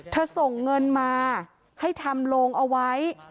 ส่งเงินมาให้ทำโรงเอาไว้